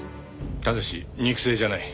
ただし肉声じゃない。